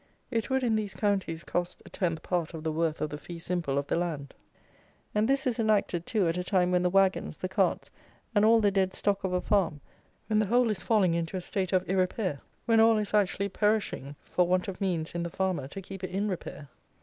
It would, in these counties, cost a tenth part of the worth of the fee simple of the land. And this is enacted, too, at a time when the wagons, the carts, and all the dead stock of a farm; when the whole is falling into a state of irrepair; when all is actually perishing for want of means in the farmer to keep it in repair!